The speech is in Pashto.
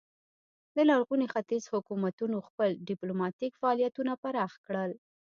د لرغوني ختیځ حکومتونو خپل ډیپلوماتیک فعالیتونه پراخ کړل